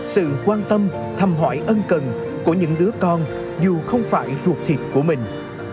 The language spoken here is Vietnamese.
sự quan tâm thăm hỏi ân cần của những đứa con dù không phải ruột thịt của mình